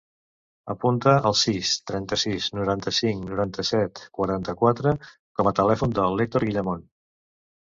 Apunta el sis, trenta-sis, noranta-cinc, noranta-set, quaranta-quatre com a telèfon de l'Hèctor Guillamon.